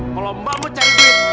kalau mbak mau cari duit